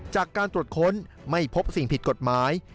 จากการตรวจค้นไม่พบสิ่งผิดกฎหมาย